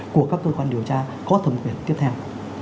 của các cơ quan điều tra có thẩm quyền tiếp theo